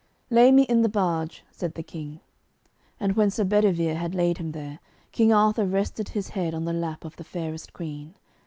'Lay me in the barge,' said the King. And when Sir Bedivere had laid him there, King Arthur rested his head on the lap of the fairest Queen.